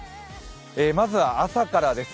まずは朝からです。